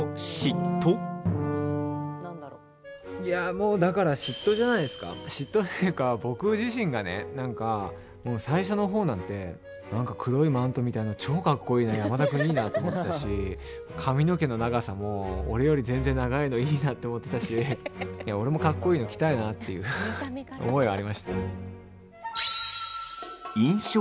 いや、もうだから嫉妬というか僕自身がねなんか最初の方なんてなんか黒いマントみたいな超かっこいいな山田君いいなって思ってたし、髪の毛の長さも俺より全然長いのいいなって思ってたしっていう思いはありました。